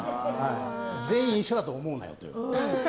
全員、一緒だと思うなよと。